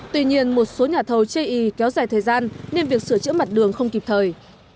tuy nhiên một số nhà thầu chê ý kéo dài thời gian nên việc sửa chữa mặt đường không kịp thời